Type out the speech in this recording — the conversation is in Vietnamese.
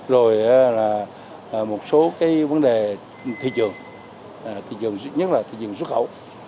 rồi một số vấn đề thị trường nhất là thị trường xuất khẩu